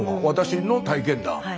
私の体験談。